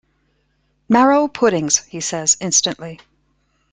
"Marrow puddings," he says instantly.